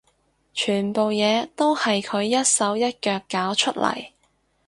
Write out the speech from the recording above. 全部嘢都係佢一手一腳搞出嚟